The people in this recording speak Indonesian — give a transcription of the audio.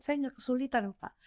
saya tidak kesulitan pak